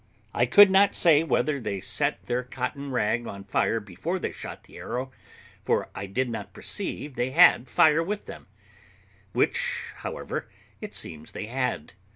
I could not say whether they set their cotton rag on fire before they shot the arrow, for I did not perceive they had fire with them, which, however, it seems they had.